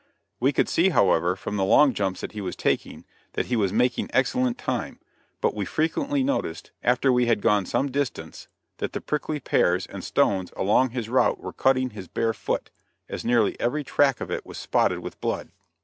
We could see, however, from the long jumps that he was taking, that he was making excellent time, but we frequently noticed, after we had gone some distance, that the prickly pears and stones along his route were cutting his bare foot, as nearly every track of it was spotted with blood.